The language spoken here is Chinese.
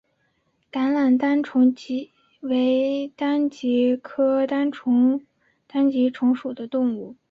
橄榄单极虫为单极科单极虫属的动物。